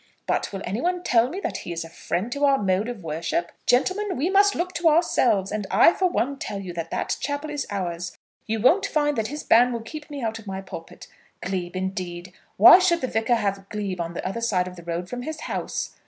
But will any one tell me that he is a friend to our mode of worship? Gentlemen, we must look to ourselves, and I for one tell you that that chapel is ours. You won't find that his ban will keep me out of my pulpit. Glebe, indeed! why should the Vicar have glebe on the other side of the road from his house?